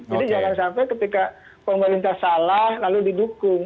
jadi jangan sampai ketika pemerintah salah lalu didukung